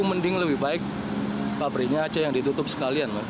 mending lebih baik pabriknya aja yang ditutup sekalian